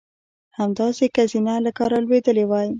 همداسې که زینه له کاره لوېدلې وای.